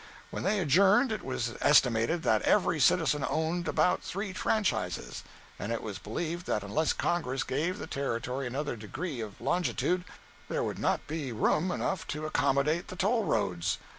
When they adjourned it was estimated that every citizen owned about three franchises, and it was believed that unless Congress gave the Territory another degree of longitude there would not be room enough to accommodate the toll roads.